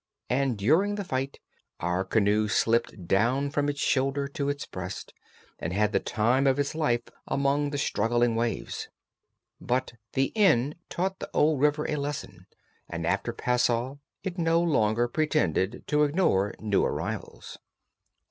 And during the fight our canoe slipped down from its shoulder to its breast, and had the time of its life among the struggling waves. But the Inn taught the old river a lesson, and after Passau it no longer pretended to ignore new arrivals.